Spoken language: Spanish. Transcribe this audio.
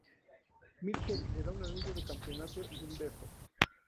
Michelle le da un anillo de campeonato y un beso.